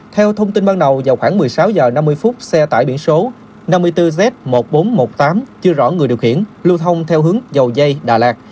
theo thông tin ban đầu vào khoảng một mươi sáu h năm mươi xe tải biển số năm mươi bốn z một nghìn bốn trăm một mươi tám chưa rõ người điều khiển lưu thông theo hướng dầu dây đà lạt